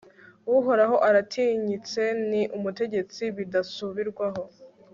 uhoraho aratinyitse, ni umutegetsi bidasubirwaho